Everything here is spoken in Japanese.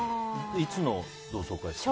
いつの同窓会ですか。